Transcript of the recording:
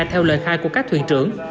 theo lời khai của các thuyền trưởng